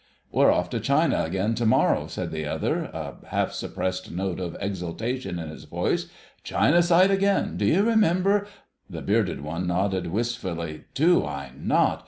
"We're off to China again to morrow," said the other, a half suppressed note of exultation in his voice—"China side again! Do you remember...?" The bearded one nodded wistfully. "Do I not!